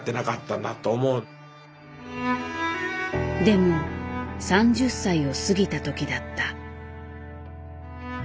でも３０歳を過ぎた時だった。